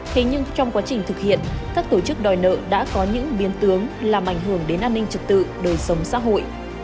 thế nhưng trong quá trình thực hiện các tổ chức đòi nợ đã có những biến tướng làm ảnh hưởng đến an ninh trật tự đời sống xã hội